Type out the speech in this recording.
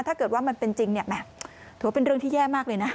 ถ้าเกิดว่ามันเป็นจริงเนี่ยแหม่ถือว่าเป็นเรื่องที่แย่มากเลยนะ